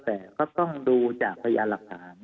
แต่ก็ต้องดูจากพยานหลักฐาน